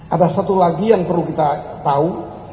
ada satu lagi yang perlu kita tahu